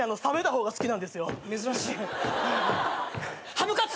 ハムカツ。